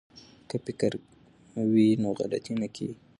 که فکر وي نو غلطي نه کیږي.